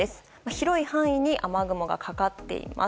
広い範囲に雨雲がかかっています。